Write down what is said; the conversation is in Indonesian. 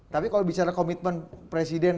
tapi kalau bicara komitmen presiden